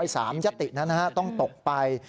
๓ยตินั้นต้องตกไป